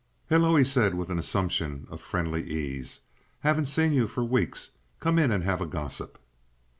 "Hello!" he said, with an assumption of friendly ease. "Haven't seen you for weeks! Come in and have a gossip."